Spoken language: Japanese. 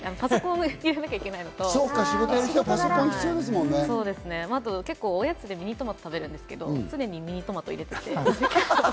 パソコン入れなきゃいけないのと、あとおやつでミニトマトを食べるんですけど、常にミニトマトを入れていて。